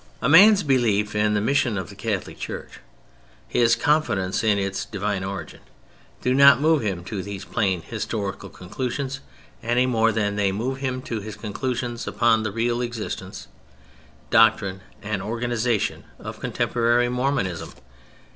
A man's belief in the mission of the Catholic Church, his confidence in its divine origin, do not move him to these plain historical conclusions any more than they move him to his conclusions upon the real existence, doctrine and organization of contemporary Mormonism.